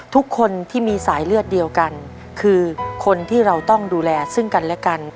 ทุกคนที่มีสายเลือดเดียวกันคือคนที่เราต้องดูแลซึ่งกันและกัน